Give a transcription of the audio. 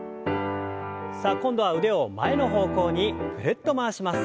さあ今度は腕を前の方向にぐるっと回します。